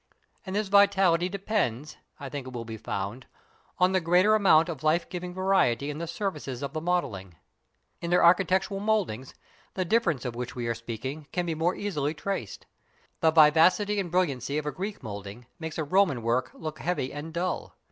And this vitality depends, I think it will be found, on the greater amount of life giving variety in the surfaces of the modelling. In their architectural mouldings, the difference of which we are speaking can be more easily traced. The vivacity and brilliancy of a Greek moulding makes a Roman work look heavy and dull.